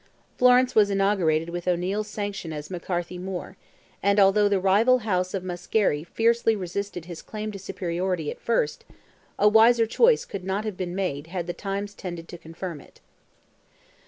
Florence was inaugurated with O'Neil's sanction as McCarthy More, and although the rival house of Muskerry fiercely resisted his claim to superiority at first, a wiser choice could not have been made had the times tended to confirm it.